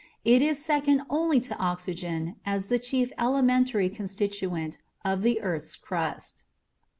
It is second only to oxygen as the chief elementary constituent of the earth's crust.)